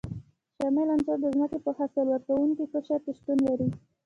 شامل عنصرونه د ځمکې په حاصل ورکوونکي قشر کې شتون لري.